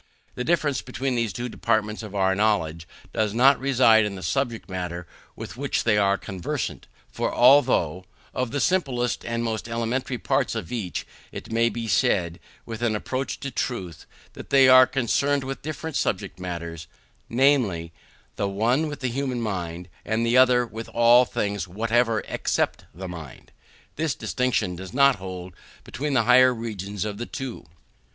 The difference between these two departments of our knowledge does not reside in the subject matter with which they are conversant: for although, of the simplest and most elementary parts of each, it may be said, with an approach to truth, that they are concerned with different subject matters namely, the one with the human mind, the other with all things whatever except the mind; this distinction does not hold between the higher regions of the two.